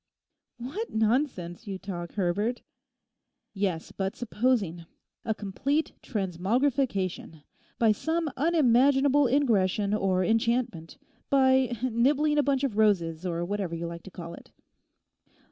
'What nonsense you talk, Herbert!' 'Yes, but supposing: a complete transmogrification—by some unimaginable ingression or enchantment, by nibbling a bunch of roses, or whatever you like to call it?